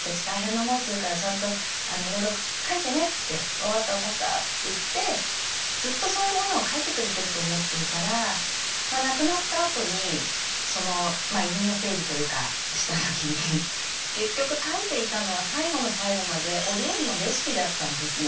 「分かった分かった」って言ってずっとそういうものを書いてくれてると思っていたら亡くなったあとにその遺品の整理というかした時に結局書いていたのは最後の最後までお料理のレシピだったんですね。